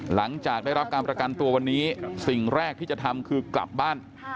หลังจากได้รับการประกันตัววันนี้สิ่งแรกที่จะทำคือกลับบ้าน